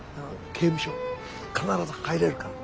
刑務所必ず入れるから。